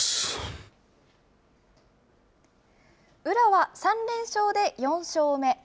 宇良は３連勝で４勝目。